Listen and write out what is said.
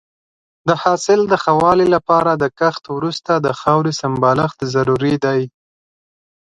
د حاصل د ښه والي لپاره د کښت وروسته د خاورې سمبالښت ضروري دی.